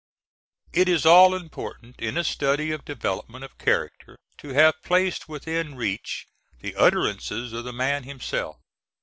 It is all important in a study of development of character to have placed within reach the utterances of the man himself.